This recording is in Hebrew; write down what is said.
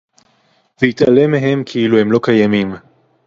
ויתעלם מהם כאילו הם לא קיימים